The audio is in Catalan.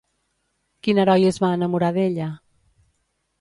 Quin heroi es va enamorar d'ella?